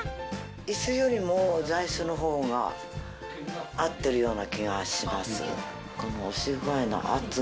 椅子よりも座椅子の方が合ってるような気がします。